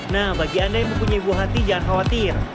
nah bagi anda yang mempunyai buah hati jangan khawatir